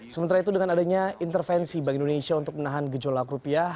sementara itu dengan adanya intervensi bank indonesia untuk menahan gejolak rupiah